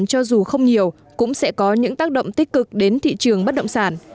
cho dù không nhiều cũng sẽ có những tác động tích cực đến thị trường bất động sản